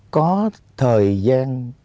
có thời gian